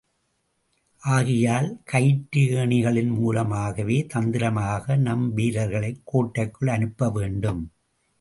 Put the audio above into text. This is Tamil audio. ஆகையால் கயிற்று ஏணிகளின் மூலமாகவே தந்திரமாக நம் வீரர்களைக் கோட்டைக்குள் அனுப்பவேண்டும்.